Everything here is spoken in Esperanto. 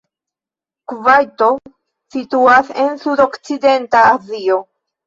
Kuvajto situas en sudokcidenta Azio.